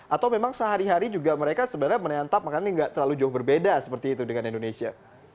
atau memang sehari hari juga mereka sebenarnya menantap makanan yang nggak terlalu jauh berbeda seperti itu dengan indonesia